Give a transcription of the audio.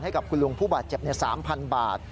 ให้กับคุณลุงผู้บาดเจ็บ๓๐๐๐บาท